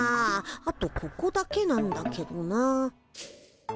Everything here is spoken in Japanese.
あとここだけなんだけどな。